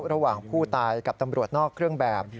ระหว่างผู้ตายกับตำรวจนอกเครื่องแบบ